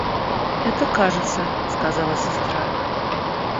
— Это кажется, — сказала сестра.